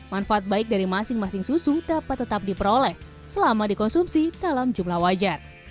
manfaat baik dari masing masing susu dapat tetap diperoleh selama dikonsumsi dalam jumlah wajar